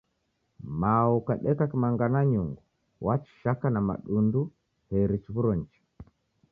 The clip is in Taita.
Mao ukadeka kimanga na nyungu, wachishaka na madundu eri chiw'uro nicha.